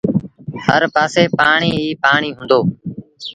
هر پآسي پآڻيٚ ئيٚ پآڻيٚ هُݩدو۔